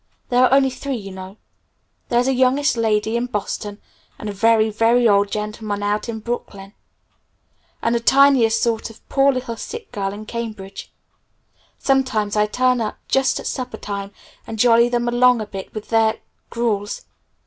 There are only three, you know. There's a youngish lady in Boston, and a very, very old gentleman out in Brookline, and the tiniest sort of a poor little sick girl in Cambridge. Sometimes I turn up just at supper time and jolly them along a bit with their gruels.